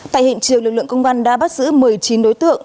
tại hiện trường lực lượng công an đã bắt giữ một mươi chín đối tượng